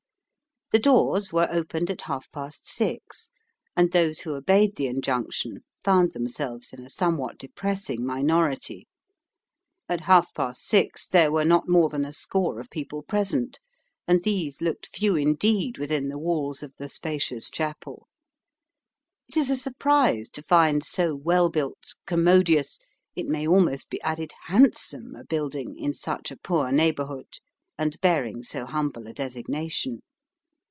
The doors were opened at half past six, and those who obeyed the injunction found themselves in a somewhat depressing minority. At half past six there were not more than a score of people present, and these looked few indeed within the walls of the spacious chapel. It is a surprise to find so well built, commodious, it may almost be added handsome, a building in such a poor neighbourhood, and bearing so humble a designation.